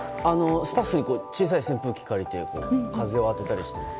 スタッフに小さい扇風機を借りて風を当てたりしています。